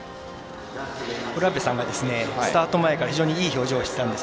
卜部さんがスタート前から非常にいい表情をしていたんです。